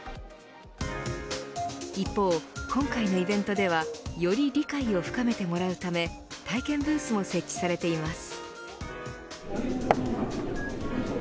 一方、今回のイベントではより理解を深めてもらうため体験ブースも設置されています。